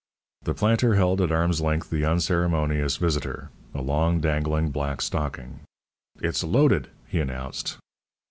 The planter held at arm's length the unceremonious visitor a long dangling black stocking. "It's loaded," he announced.